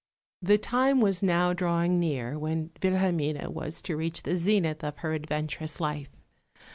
The time was now drawing near when Wilhelmine was to reach the zenith of her adventurous life.